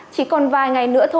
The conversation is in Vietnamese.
chỉ còn vài ngày nữa